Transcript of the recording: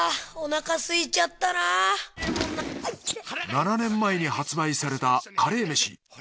７年前に発売されたカレーメシ。